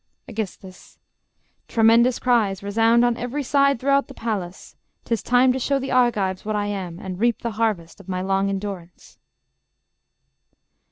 Aegis. Tremendous cries Resound on every side throughout the palace: 'Tis time to show the Argives what I am, And reap the harvest of my long endurance.